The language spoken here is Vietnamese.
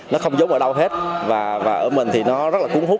nó không giống ở đâu hết và ở mình thì nó rất là cuốn hút